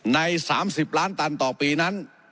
ใน๓๐ล้านตันต่อปีนั้น